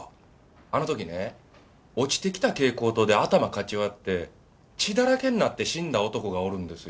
あの時ね落ちてきた蛍光灯で頭かち割って血だらけになって死んだ男がおるんですよ。